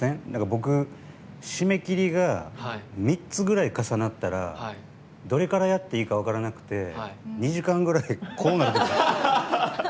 僕、締め切りが３つぐらい重なったらどれからやっていいか分からなくて２時間ぐらいこうなるんですよ。